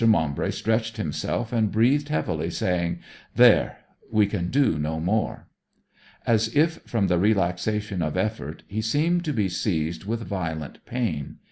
Maumbry stretched himself and breathed heavily, saying, 'There; we can do no more.' As if from the relaxation of effort he seemed to be seized with violent pain.